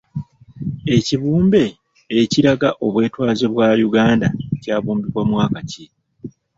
Ekibumbe ekiraga obwetwaze bwa Uganda kyabumbibwa mu mwaka ki?